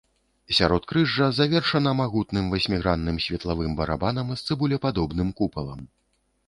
Сяродкрыжжа завершана магутным васьмігранным светлавым барабанам з цыбулепадобным купалам.